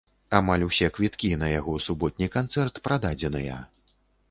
Амаль усе квіткі на яго суботні канцэрт прададзеныя.